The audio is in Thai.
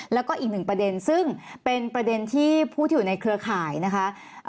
แล้วก็อีกหนึ่งประเด็นซึ่งเป็นประเด็นที่ผู้ที่อยู่ในเครือข่ายนะคะ